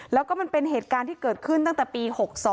แล้วก็มันเป็นเหตุการณ์ที่เกิดขึ้นตั้งแต่ปี๖๒